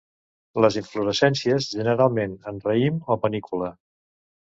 Les inflorescències generalment en raïm o panícula.